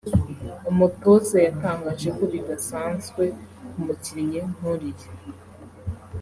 umutoza yatangaje ko bidasanzwe ku mukinnyi nk’uriya